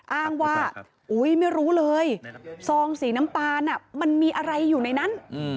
อ้างว่าอุ๊ยไม่รู้เลยซองสีน้ำตาลมันมีอะไรอยู่ในนั้น